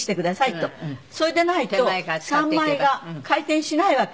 それでないと３枚が回転しないわけ。